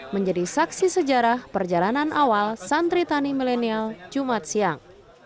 menjadi saksi sejarah perjalanan awal santri tani milenial jumat siang